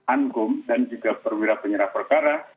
anggum dan juga perwira penyerah berkerah